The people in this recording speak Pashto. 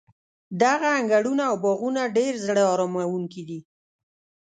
دغه انګړونه او باغونه ډېر زړه اراموونکي دي.